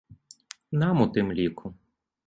Нам у тым ліку.